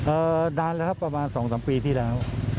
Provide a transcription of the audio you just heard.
เอ่อนานแล้วครับประมาณ๒๓ปีที่แล้ว